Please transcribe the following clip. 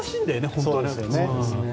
本当はね。